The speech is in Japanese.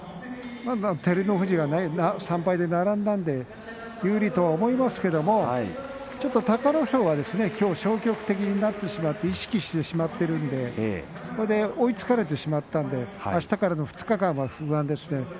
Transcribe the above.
照ノ富士が３敗で並んだので有利とは思いますけれどちょっと隆の勝がきょう消極的になってしまって意識してしまっているので追いつかれてしまったのであしたからの２日間、不安ですね。